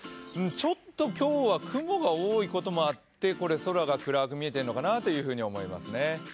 ちょっと今日は雲が多いこともあって、空が暗く見えているのかなと思いますね。